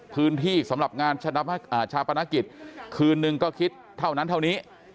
สำหรับงานชาปนกิจคืนนึงก็คิดเท่านั้นเท่านี้